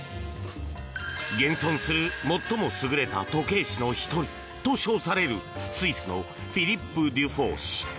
現存する最も優れた時計師の１人と称されるスイスのフィリップ・デュフォー氏。